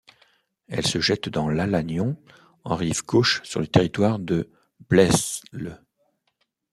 Elle se jette dans l'Alagnon en rive gauche sur le territoire de Blesle.